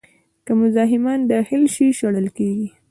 که مزاحمان داخل شي، شړل کېږي.